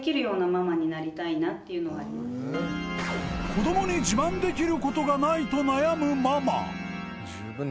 子どもに自慢できることがないと悩むママ